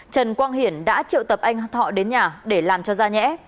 trần quang hiển đã triệu tập anh thọ đến nhà để làm cho da nhẽ